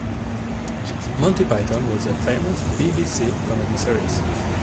Monty Python was a famous B B C comedy series